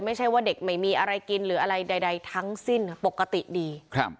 ไม่ใช่ว่าเด็กไม่มีอะไรกินหรืออะไรใดทั้งสิ้นปกติดี